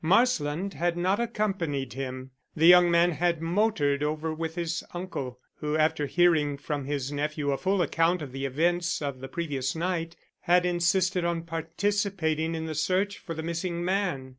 Marsland had not accompanied him. The young man had motored over with his uncle, who, after hearing from his nephew a full account of the events of the previous night, had insisted on participating in the search for the missing man.